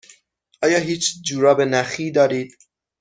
آیا هیچ جوراب نخی دارید؟